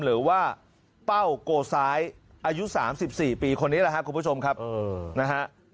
หรือว่าเป้าโกซ้ายอายุสามสิบสี่ปีคนนี้แหละฮะคุณผู้ชมครับเออนะฮะ